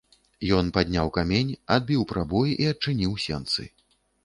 Ён падняў камень, адбіў прабой і адчыніў сенцы.